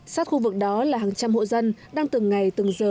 sát khu vực đó là hàng trăm hộ dân đang từng ngày từng giờ